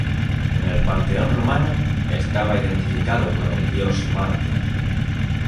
En el panteón romano, estaba identificado con el dios Marte.